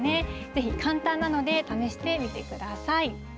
ぜひ、簡単なので試してみてください。